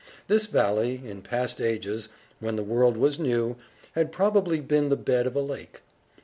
This valley, in past ages, when the world was new, had probably been the bed of a lake.